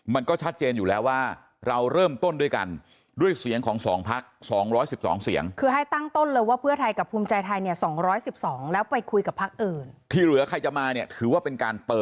มันก็ชัดเจนอยู่แล้วว่าเราเริ่มต้นด้วยกัน